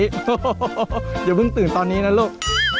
โอ้โหอย่าเพิ่งตื่นตอนนี้นะลูก